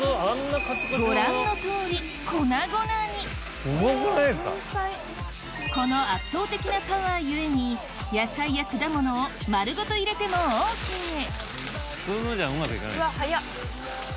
ご覧のとおり粉々にこの圧倒的なパワーゆえに野菜や果物を丸ごと入れてもＯＫうわ早っ。